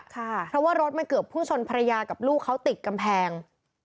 เพราะว่ารถมันเกือบผู้ชนภรรยากับลูกเขาติดกำแพง